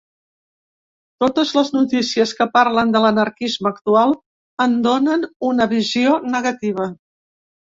“Totes les notícies que parlen de l’anarquisme actual en donen una visió negativa”.